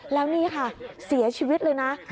แล้วนี่ค่ะเสียชีวิตเลยนะ